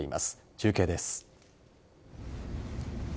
中継です。